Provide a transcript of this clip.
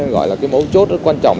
gọi là cái mẫu chốt rất quan trọng